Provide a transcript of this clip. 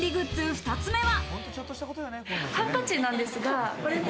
２つ目は。